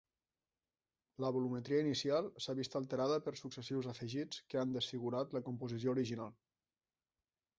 La volumetria inicial s'ha vist alterada per successius afegits que han desfigurat la composició original.